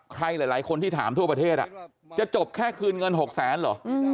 ใครหลายคนที่ถามทั่วประเทศจะจบแค่คืนเงิน๖แสนเหรอ